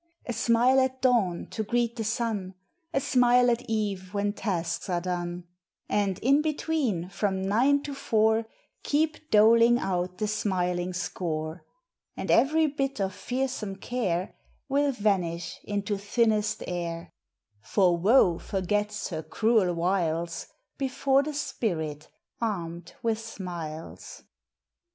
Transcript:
A smile at dawn to greet the sun, A smile at eve when tasks are done, And in between, from nine to four, Keep doling out the smiling score, And every bit of fearsome care Will vanish into thinnest air, For Woe forgets her cruel wiles Before the spirit armed with smiles.